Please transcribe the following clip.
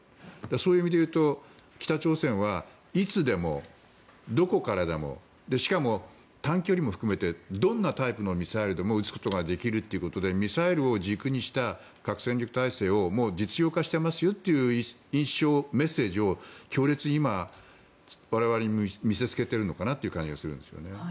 そういう意味でいうと北朝鮮はいつでもどこからでもしかも短距離も含めてどんなタイプのミサイルでも撃つことができるということでミサイルを軸にした核戦力体制を実用化してますよという印象メッセージを強烈に今、我々に見せつけているのかなという感じがするんですよね。